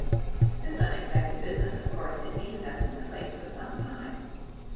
This unexpected business of course detained us in the place for some time.